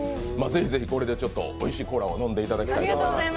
ぜひぜひこれでおいしいコーラを飲んでいただきたいと思います。